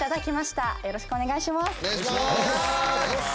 よろしくお願いします。